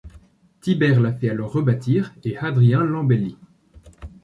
Tibère la fait alors rebâtir, et Hadrien l’embellit.